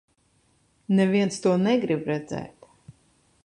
Neviens to negrib redzēt.